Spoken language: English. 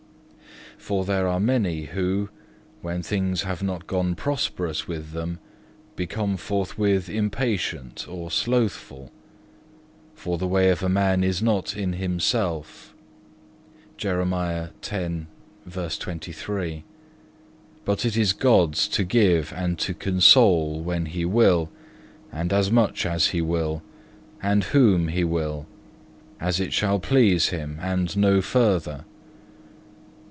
2. "For there are many who, when things have not gone prosperous with them, become forthwith impatient or slothful. For the way of a man is not in himself,(1) but it is God's to give and to console, when He will, and as much as He will, and whom He will, as it shall please Him, and no further.